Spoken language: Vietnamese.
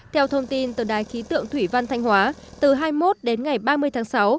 theo thông tin từ đài khí tượng thủy văn thanh hóa từ hai mươi một đến ngày ba mươi tháng sáu